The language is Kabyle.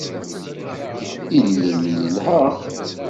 Illel yelha